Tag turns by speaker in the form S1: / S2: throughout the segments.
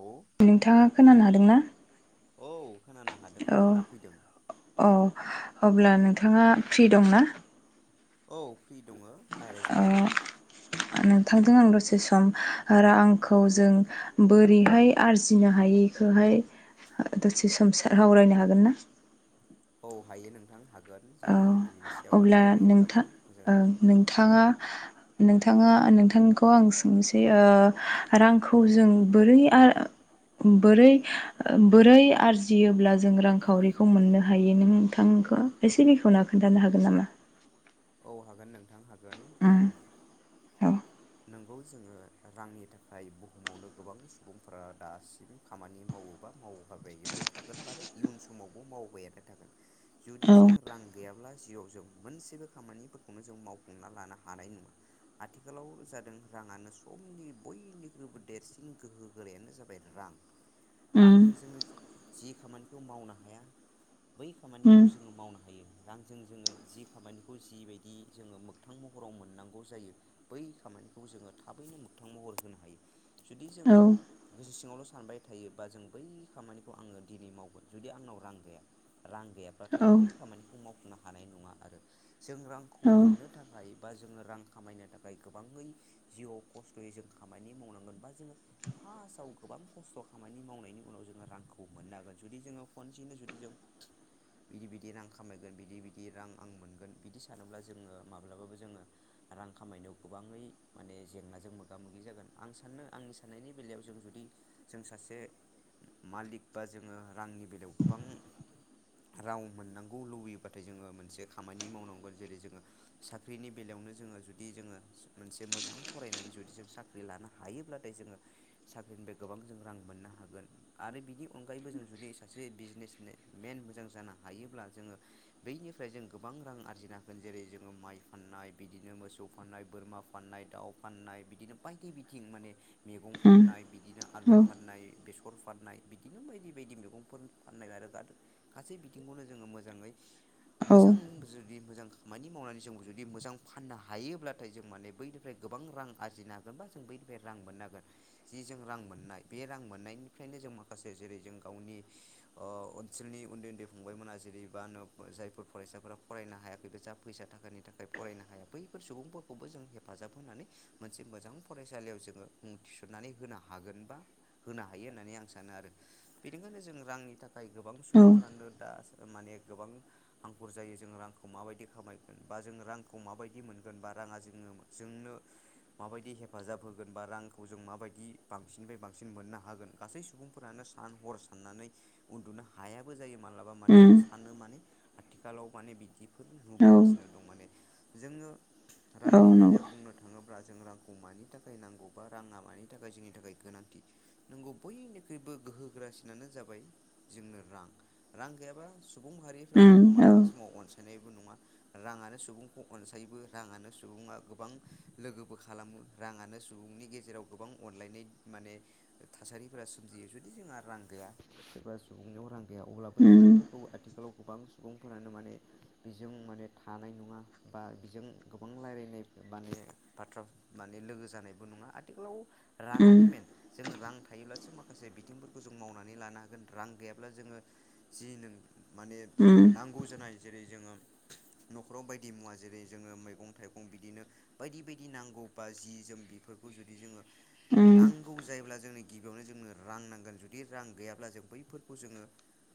S1: औ
S2: नोंथाङा खोनानो हादोंना?
S1: औ खोनानो हादों
S2: औ
S1: खोनाफैदों
S2: औ अब्ला नोंथां नोंथाङा फ्रि दं ना?
S1: औ फ्रि दङ रायज्लायजागोन
S2: जों आं दसे सम रांखौ जों बोरैहाय आरजिनो हायो बेखौहाय दसे सम सा हावरायनो हागोन ना?
S1: औ हायो नोंथां हागोन।
S2: औ
S1: जोङो बिनि सायाव
S2: अब्ला नोंथा
S1: सावरायोब्लाबो मोजां
S2: ओं
S1: जागोन
S2: नोंथाङा नोंथाङा नोंथांखौ आं सोंनोसै ओ रांखौ जों बोरै आरो आर बोरै बोरै आरजियोब्ला जों रांखावरिखौ मोननो हायो नों थांखो एसे बेखेवना खोन्थानो हागोन नामा?
S1: औ हागोन नोंथां हागोन
S2: उम
S1: हागोन
S2: औ
S1: नोंगौ जोङो रांनि थाखाय बुहुमावनो गोबां सुबुंफोरा दासिम खामानि मावो बा मावहाबायबो थागोन बा इयुन समावबो मावबायानो थागोन जुदि
S2: औ
S1: जों रां गैयाब्ला जिउआव जों मोनसेबो खामानि फोरखौनो जों मावफुंना लानो हानाय नङा आथिखालाव जादों राङानो समनि बय निख्रुइबो देरसिन गोहो गोरायानो जाबाय रां
S2: उम
S1: रांजों जोङो जि खामानिखौ मावनो हाया बै खामानिखौ
S2: उम
S1: जोङो मावनो हायो रांजों जोङो जि खामानि [inaudible] [inaudible] सानबाय
S2: औ
S1: थायोबा जों बै खामानिखौ आङो दिनै मावगोन जुदि आंनाव रां गैया रां गैयाब्लाथाय आं
S2: औ
S1: बै खामानिखौ मावफुंनो हानाय नङा आरो जों रांखौ
S2: औ
S1: मोननो थाखाय बा जोङो रां खामायनो थाखाय गोबाङै जिउआव खस्थ'यै जों खामानि मावनांगोन बा जोङो फासआव गोबां खस्थ' खामानि मावनायनि उनाव जोङो रांखौ मोननो हागोन जुदि जोङो खनसेनो जुदि जों बिदि बिदि रां खामायगोन बिदि बिदि रां आं मोनगोन। बिदि सानोब्ला जोङो माब्लाबाबो जोङो रां खामायनायाव गोबाङै माने जेंनाजों मोगा मोगि जागोन आं सानो आंनि साननायनि बेलायाव जों जुदि जों सासे मालिक बा जोङो रांनि बेलायाव गोबां रां मोननांगौ लुबैयोबाथाय जोङो मोनसे खामानि मावनां गोन जेरै जोङो साख्रिनि बेलायावनो जोङो जुदि जोङो मोनसे मोजां फरायनानै जुदि जों साख्रि लानो हायोब्लाथाय जोङो साख्रिनिफ्राय गोबां जों रां मोननो हागोन आरो बिनि अनगायैबो जों जुदि सासे बिजनेस मेन मोजां जानो हायोब्ला जोङो बैनिफ्राय जों गोबां रां आरजिनो [unintelligible] जेरै जोङो माइ फाननाय बिदिनो मोसौ फाननाय बोरमा फाननाय दाउ फाननाय बिदिनो बायदि बिथिं माने मैंगं
S2: उम
S1: फाननाय बिदिनो आलु
S2: औ
S1: फनाय बे फोर फाननाय बिदिनो बायदि बायदि मैगंफोर फाननाय आरो गासै बिथिंखौनो जोङो मोजाङै
S2: औ
S1: मोजां मोजां खामानि मावनानै जों जुदि मोजां फाननो हायोब्लाथाय जों माने बैनिफ्राय गोबां रां आरजिनो हा बा जों बै बे रां मोनांगोन जि जों रां मोननाय बे रां मोननायनिफ्रायनो जों माखसे जेरै जों गावनि नि ओ ओनसोलनि उन्दै उन्दै फंबायमोना जेरैबा जायफोर फरायसाफोरा फरायनो हायाखै बे जा फैसा थाखानि थाखाय फरायनो हाया बैफोर सुबुंफोरखौबो जों हेफाजाब होनानै मोनसे मोजां फरायसालियाव जोङो मुं थिसननानै होनो हागोन बा होनो हायो होननानै आं सानो आरो बेनिखायनो जों रांनि थाखाय गोबां
S2: औ
S1: सुबुंफ्रानो दा माने गोबां हांखुर जायो जों रांखौ माबायदि खामायगोन बा जों रांखौ माबायदि मोनगोन बा राङा जोङो जोंनो माबायदि हेफाजाब होगोन बा रांखौ जों माबायदि बांसिननिफ्राय बांसिन मोननो हागोन गासै सुबुंफोरानो सा न हर साननानै उन्दुनो हायाबो जायो मालाबा माने
S2: उम
S1: सानो माने आथिखालाव माने बिदिफोर
S2: औ
S1: नुबोगासिनो दं माने जोङो
S2: औ
S1: रांनि
S2: नंगौ
S1: बेलायाव बुंनो थाङोब्ला जों रांखौ मानि थाखाय नांगौ बा राङा मानि थाखाय जोंनि थाखाय गोनांथि नोंगौ बयनिख्रुइबो गोहोग्रासिनानो जाबाय जोंनो रां रां गैयाबा सुबुं माहारिफ्रा
S2: उम
S1: नोंखौ
S2: औ
S1: मालाबा स माव अनसायनायबो नङा राङानो सुबुंखौ अनसायोबो राङानो सुबुङा गोबां लोगोबो खालामो राङानो सुबुंनि गेजेराव गोबां अनलायनाय माने थासारिफोरा सोमजियो जुदि जोंहा रां गैया सोरबा सुबुंनियाव रां गैया अब्ला बै
S2: उम
S1: सुबुंफोरखौ आथिखालाव गोबां सुबुंफोरा माने बेजों माने थानाय नङा बा बेजों गोबां रायज्लानाय माने बाथ्रा माने लोगो जानायबो नङा आथिखालाव
S2: उम
S1: राङानो मेन जों रां थायोब्लासो माखासे बिथिंफोरखौ जों मावनानै लानो हागोन रां गैयाब्ला जोङो जि नों माने
S2: उम
S1: नांगौ जानाय जेरै जोङो न'खराव बायदि मुवा जेरै जोङो मैगं थाइगं बिदिनो बायदि बायदि नांगौबा जि जोम फोरखौ जुदि जोङो
S2: उम
S1: नांगौ जायोब्ला जोंनि गिबियावनो जोंनो रां नांगोन जुदि रां गैयाब्ला जों बैफोरखौ जोङो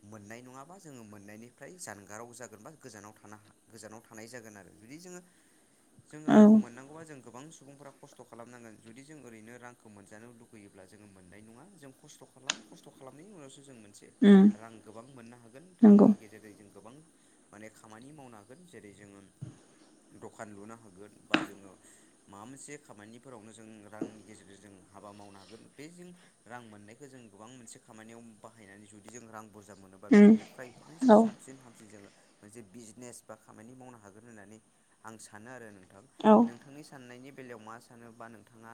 S1: मोननाय नङाबा जोङो मोननायनिफ्राय जानगाराव जागोन बा गोजानाव थानो गोजानाव थानाय जागोन आरो जुदि जोङो। जों रांखौ
S2: औ
S1: मोननांगौबा जों गोबां सुबुंफोरा खस्थ' खालामनांगोन जुदि जों ओरैनो रांखौ मोनजानो लुगैयोब्ला जोङो मोननाय नङा जों खस्थ' खालाम खस्थ' खालामनायनि उनावसो जों मोनसे
S2: उम
S1: रां गोबां मोननो हागोन
S2: नंगौ
S1: रांनि गेजेरजों जों गोबां माने खामानि मावनो हागोन जेरै जोङो दखान लुनो हागोन बा जोङो माबा मोनसे खामानिफोरावनो जों रांनि गेजेरजों हाबा मावनो हागोन बे जों रां मोननायखौ जों गोबां मोनसे खामानियाव बाहायनानै जुदि जों रां बुरजा मोनोबा बिनिफ्राय बांसिन
S2: औ
S1: साबसिन हाम जोङो मोनसे बिजनेस बा खामानि मावनो हागोन होननानै आं सानो आरो
S2: औ
S1: नोंथांनि साननायनि बेलायाव मा सानो बा नोंथाङा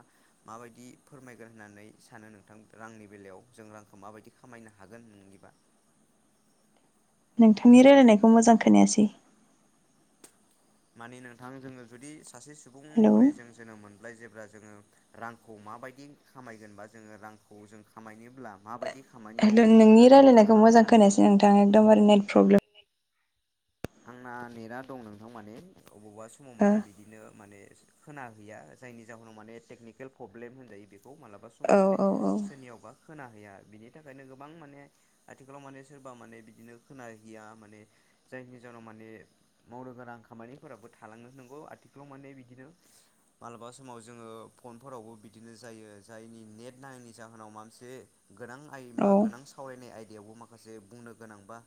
S1: मा बायदि फोरमायगोन होननानै सानो नोंथां रांनि बेलायाव जों रांखौ माबायदि खामायनो हागोन नोंनिबा?
S2: नोंथांनि रायलायनायखौ मोजां खोनायासै।
S1: माने नोंथां जोङो जुदि सासे सुबुं
S2: हेलौ
S1: महरै जों जोनोम मोन जेब्ला जोङो रांखौ माबायदि खामायगोनबा जोङो रांखौ जों खामायनोब्ला माबायदि खामानि
S2: हेल'
S1: मावनांगोन
S2: नोंनि
S1: होननानै
S2: रायलायनायखौ
S1: नोंथाङा
S2: मोजां
S1: सानो?
S2: खोनायासै नोंथाङा एकदमबारे नेट प्रब्लेम।
S1: आंना नेटा दं नोंथां माने अबावबा समाव माने बिदिनो माने। खोना हैैया जायनि जाहोनाव माने टेकनिकेल प्रब्लेम होनजायो बे खौ मालाबा समाव
S2: ओ
S1: माने
S2: औ
S1: सोरनियावबा खोनाहैया बिनि थाखायनो गोबां माने आथिखालाव माने सोरबा माने बिदिनो खोनााहैया माने जायनि जाहोनाव माने मावनो गोनां खामानिफोराबो थालांङो नोंगौ आथिखालाव माने बिदिनो माला बा समाव जोङो फनफोरावबो बिदिनो जायो जायनि नेट नाङैनि जाहोनाव माबा मोनसे गोनां आइ
S2: औ
S1: मा गोनां सावरायनाय आइ दायाव माखासे बुंनो गोनां बा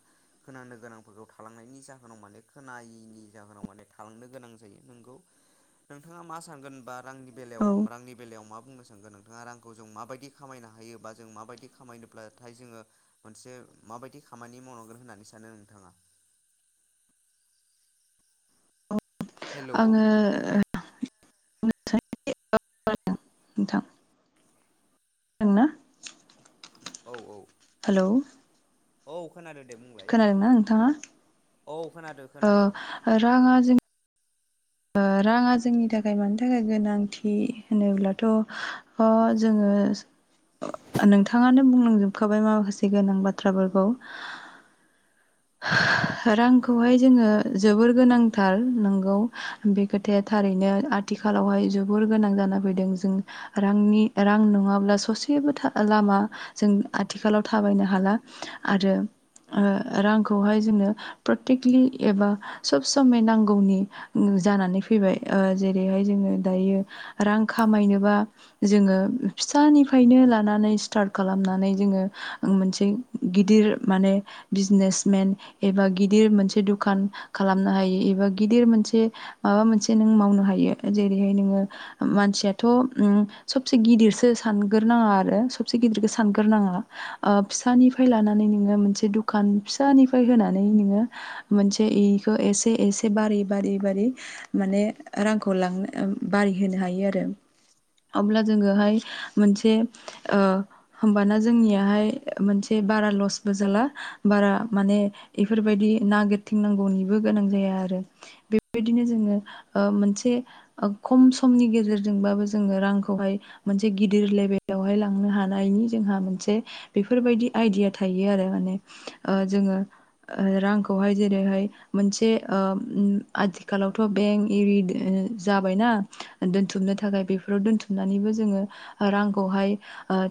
S1: खोनानो गोनांफोरखौ थालांनायनि जाहोनाव माने खोनायैनि जाहोनाव माने थालांनो गोनां जायो नोंगौ। नोंथाङा मा सानोगोन बा रां बेलायाव
S2: औ
S1: रांनि बेलायाव मा बुंनो सानगोन नोंथाङा रांखौ जों माबायदि खामायनो हायो बा जों माबायदि खामायनोब्लाथाय जोङो मोनसे माबायदि खामानि मावनांगोन होननानै सानो नोंथाङा
S2: [inaudible]
S1: हेलौ
S2: औ आङो ओ [unintelligible] नोंथां। खोनादोंना।
S1: औ औ।
S2: हेलौ।
S1: औ खोनादो दे बुंलाय
S2: खोनादोंना नोंथाङा?
S1: औ खोनादो
S2: औ
S1: खोनादो
S2: राङा जोंनि ओ राङा जोंनि थाखाय मानि थाखाय गोनांथि होनोब्लाथ' जोङो। [inaudible] नोंथाङानो बुंलांजोबखाबाय माखासे गोनां बाथ्राफोरखौ
S1: नोंगौ
S2: रांखौहाय जोङो जोबोर गोनां थार नंगौ बे खोथाया थारैनो आथिखालावहाय जोबोर गोनां जाना फैदों जों रांनि रां नङाब्ला ससेबो लामा जों आथिखालाव थाबायनो हाला। आरो ओ रां खौहाय जोंनो प्रटिकलि एबा सब समय नांगौ जानानै फैबाय। ओ जेरैहाय जोङो दायो रां खामायनोबा जोङो फिसानिफ्रायनो लानानै स्टार्ट खालामनानै जोङो मोनसे गिदिर माने बिजिनेस मेन एबा गिदिर मोनसे दखान खालामनो हायो एबा गिदिर मोनसे माबा मोनसे मावनो हायो जेरैहाय नोङो मानसियाथ' सबसे गिदिरसो सानग्रोनाङा नाङा आरो सबसे गिदिरखौ सानग्रो नाङा फिसानिफ्राय लानानै नोङो मोनसे दखान फि फिसानिफ्राय होनानै नोङो मोनसे इखौ एसे एसे बारि- बारि- बारि माने रांखौ लांनो बारि होनो हायो आरो अब्ला जोङोहाय मोनसे ओ होमबाना जोंनियाहाय मोनसे बारा लस बो जाला बारा माने इफोरबायदि नागिरथिंनांगौनिबो गोनां जाया आरो बेबायदिनो जोङो ओ मोनसे खम समनि गेजेरजोंबाबो जोङो रांखौहाय मोनसे गिदिर लेभेल यावहाय लांनो हानायनि जोंहा मोनसे बेफोरबायदि आइदिया थायो आरो माने ओ जोङो रांखौहाय जेरैहाय मोनसे ओ आथिखालावथ' बे बेंक इरि ओ जाबायना दोनथुमनो थाखाय बेफोराव दोनथुमनानैबो जोङो रां खौहाय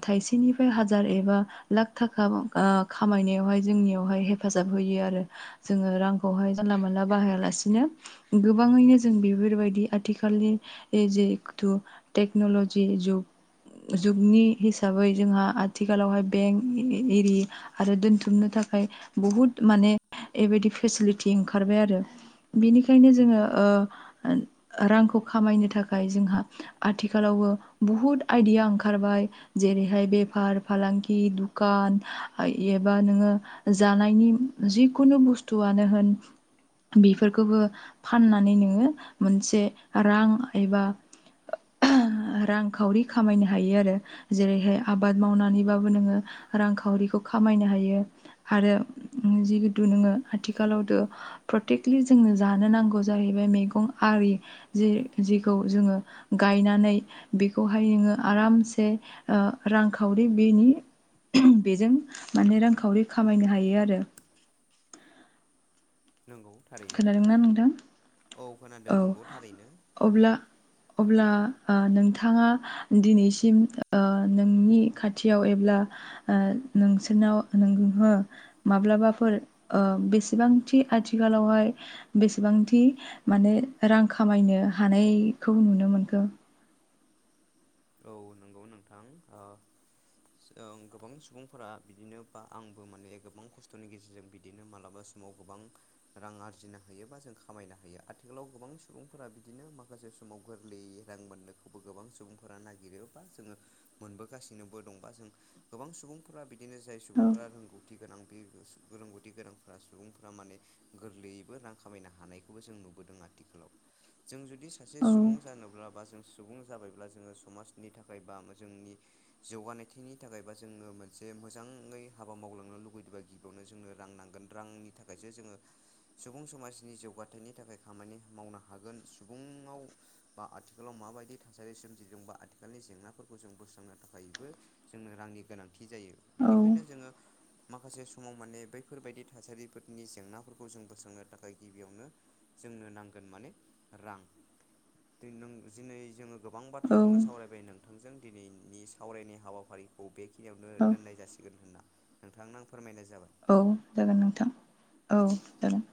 S2: थायसेनिफ्राय हाजार एबा लाख थाखा ओ खामायनायावहाय जोंनियाव हाय हेफाजाब होयो आरो जोङो रांखौहाय जानला मोनला बाहायालासेनो गोबां गोबाङैनो जों बेफोरबायदि आथिखालनि बे जेकथु टेक्न'लजि जुग जुगनि हिसाबै जोंहा आथिखालावहाय बेंक इरि आरो दोनथुमनो नि थाखाय बुहुद माने बेबायदि फेसिलिटि ओंखारबाय आरो बेनिखायनो जोङो रांखौ खामायनो थाखाय जोंहा आथिखालाव बुहुत आयडिया ओंखारबाय जेरैहाय बेफार फालांगि दुखान एबा नोङो जानायनि जिखुनु बुस्थुआनो होन बेफोरखौबो फाननानै नोङो मोनसे रां एबा रांखावरि खामायनो हायो आरो जेरैहाय आबाद मावनानैबाबो नोङो रांखावरिखौ खामायनो हायो आरो जिहेतु नोङो आथिखालावथ प्रटेकलि जोंनो जानो नांगौ जाहै मैगं आरि जे जेखौ जोङो गायनानै बेखौहाय नोङो आ आरामसे रांखावरि बेनि बेजों माने रांखावरि खामायनो हायो आरो
S1: नंगौ थारैनो
S2: खोनादोंना नोंथां
S1: औ खोनादों
S2: औ
S1: नंगौ थारैनो
S2: अब्ला अब्ला नोंथाङा दिनैसिम नोंनि खाथियाव एब्ला नोंसोरनाव नोंङो माब्लाबाफोर बेसेबांथि आथि आथिखालावहाय बेसेबांथि माने रां खामायनो हानायखौ नुनो मोनो दों
S1: औ नंगौ नोंथां औ गोबां सुबुंफोरा बिदिनो बा आंबो माने गोबां खस्थ'नि गेजेरजों बिदिनो मालाबा सम समाव गोबां रां आरजिनो हायो बा जों खामायनो हायो। आथिखालाव गोबां सुबुंफोरा बिदिनो माखासे बे समाव गोरलैयै रां मोननोखौबो गोबां सुबुं फोरा नागिरोबा जोङो मोनबोगासिनोबो दंबा जों गोबां सुबुंफोरा बिदि बिदिनो जाय
S2: औ
S1: सुबुंफोरा रोंगौथि गोनां बे रोंगौथि गोरांफ्रा सुबुंफ्रा माने गोरलैयैबो रां खामायनो हानायखौबो जों नुबोदों आ आथिखालाव जों जुदि सासे
S2: औ
S1: सुबुं जानोब्ला बा जों सुबुं जाबायब्ला जोङो समाजनि थाखाय बा जोंनि जौगानायथिनि थाखाय बा जोङो मोनसे मोजाङै हाबा मावलांनो लुुबैयोबा गिबियावनो जोंनो रां नांगोन। रांनि थाखायसो जोङो सुबुं समाजनि जौगाथायनि थाखाय खामानि मावनो हागोन सुबुंआव बा आथिखालाव माबायदि थासारि सोमजियो जोंबा आथिखालनि जेंनाफोरखौ जों बोस्रांनो थाखायबो जोंनो रांनि गोनांथि जायो
S2: औ
S1: बेनिखायनो जोङो माखासे समाव माने बैफोरबायदि थासारिफोरनि जेंनाफोरखौ जों बोस्रांनो थाखाय गिबियावनो जोंनो नांगोन माने रां। दिनों जिनै जोङो गोबां
S2: औ
S1: खोथाखौनो सावरायबाय नोंथांजों दिनैनि सावरायनाय हाबाफारिखौ बे बखिनियावनो
S2: औ
S1: दोननाय जासिगोन होना नोंथां आं फोरमायनाय जाबाय।
S2: औ जागोन नोंथां औ जागोन।